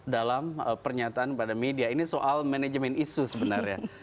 dalam pernyataan pada media ini soal manajemen isu sebenarnya